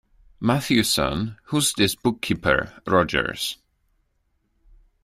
Matthewson, who's this bookkeeper, Rogers.